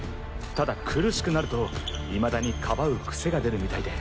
ただ苦しくなるといまだに庇う癖が出るみたいで。